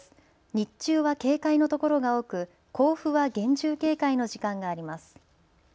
日中は警戒の所が多く甲府は厳重警戒の時間があります。